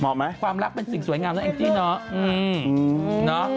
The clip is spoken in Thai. เหมาะไหมความลับเป็นสิ่งสวยงามนะแองจิเนอะอืมเนอะ